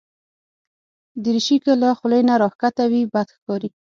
دریشي که له خولې نه راښکته وي، بد ښکاري.